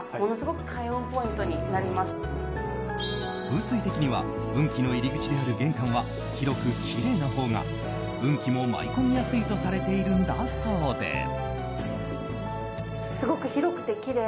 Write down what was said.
風水的には運気の入り口である玄関は広くきれいなほうが運気も舞い込みやすいとされているんだそうです。